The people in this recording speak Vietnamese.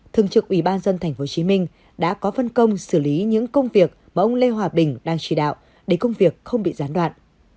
thường trực ủy ban dân tp hcm đã có phân công xử lý những công việc mà ông lê hòa bình đang chỉ đạo để công việc không bị gián đoạn